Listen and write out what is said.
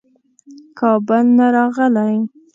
کابل نه راغلی.